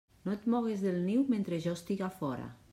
No et mogues del niu mentre jo estiga fora.